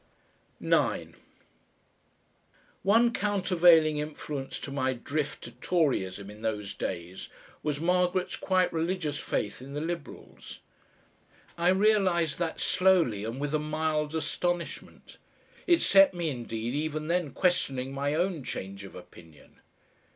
9 One countervailing influence to my drift to Toryism in those days was Margaret's quite religious faith in the Liberals. I realised that slowly and with a mild astonishment. It set me, indeed, even then questioning my own change of opinion.